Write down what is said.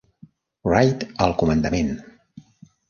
Wright al comandament.